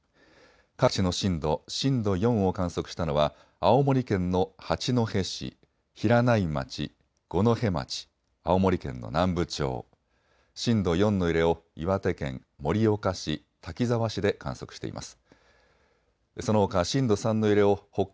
各地の震度、震度４を観測したのは青森県の八戸市、平内町、五戸町、青森県の南部町、震度４の揺れを岩手県盛岡市、滝沢市で観測しています。